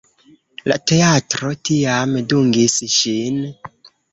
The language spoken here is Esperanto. La teatro tiam dungis ŝin.